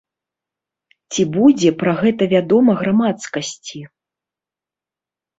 Ці будзе пра гэта вядома грамадскасці?